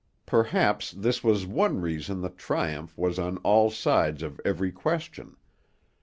Perhaps this was one reason the Triumph was on all sides of every question.